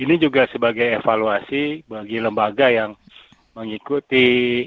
ini juga sebagai evaluasi bagi lembaga yang mengikuti